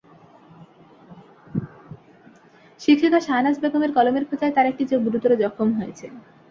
শিক্ষিকা শাহনাজ বেগমের কলমের খোঁচায় তার একটি চোখ গুরুতর জখম হয়েছে।